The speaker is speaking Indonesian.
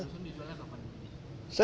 saya nggak tahu